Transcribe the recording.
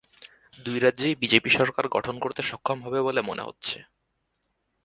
দুই রাজ্যেই বিজেপি সরকার গঠন করতে সক্ষম হবে বলে মনে করা হচ্ছে।